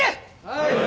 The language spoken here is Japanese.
はい。